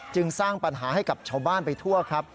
สร้างปัญหาให้กับชาวบ้านไปทั่วครับ